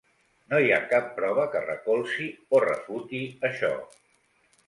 No hi ha cap prova que recolzi o refuti això.